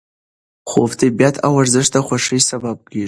خوب، طبیعت او ورزش د خوښۍ سبب کېږي.